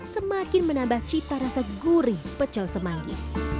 semakin menambah cita rasa gurih pecel semangi